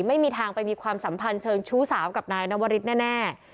ไม่มีทางไปมีความสัมพันธ์เชิงชู้สาวกับนายนวริสแน่